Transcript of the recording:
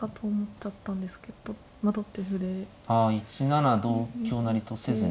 あ１七同香成とせずに。